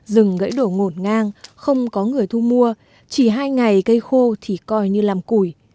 rừng gãy đổ ngổn ngang không có người thu mua chỉ hai ngày cây khô thì coi như làm củi